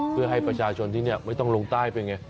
เพื่อให้ประชาชนที่นี่ไม่ต้องลงใต้ไปไง